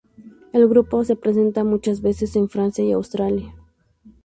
El grupo se presenta muchas veces en Francia y Australia.